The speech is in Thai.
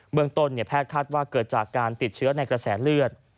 เมืองต้นแพทย์คาดว่าเกิดจากการติดเชื้อในกระแสเลือด